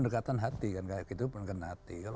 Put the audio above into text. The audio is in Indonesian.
pendekatan hati kan